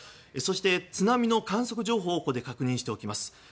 そして津波の観測情報を確認します。